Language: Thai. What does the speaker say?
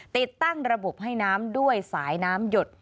ติดตั้งระบบให้น้ำด้วยสายน้ำหยด